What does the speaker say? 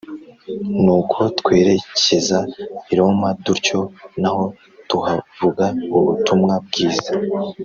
nuko twerekeza i Roma dutyo naho tuhavuga ubutumwa bwiza